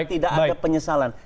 tidak ada penyesalan